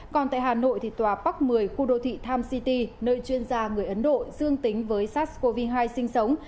còn tại hà nội tòa bắc một mươi khu đô thị times city nơi chuyên gia người ấn độ dương tính với sars cov hai sinh sống